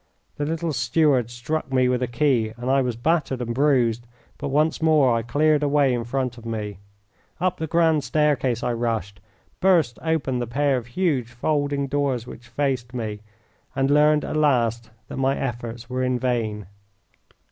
The little steward struck me with a key and I was battered and bruised, but once more I cleared a way in front of me. Up the grand staircase I rushed, burst open the pair of huge folding doors which faced me, and learned at last that my efforts were in vain.